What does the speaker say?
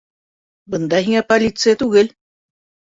Бында һиңә полиция түгел.